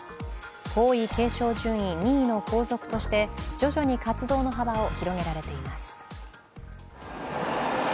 皇位継承順位２位の皇族として徐々に活動の幅を広げられています。